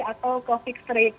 atau ke fixed rate